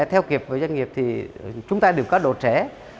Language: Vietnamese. theo kịp với doanh nghiệp thì chúng ta đều có độ trẻ